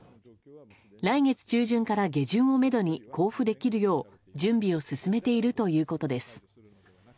来月中旬から下旬をめどに交付できるよう準備を進めているということです。